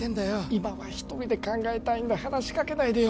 今は一人で考えたいんだ話しかけないでよ